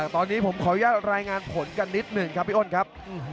ตอนนี้ผมขออนุญาตรายงานผลกันนิดหนึ่งครับพี่อ้นครับ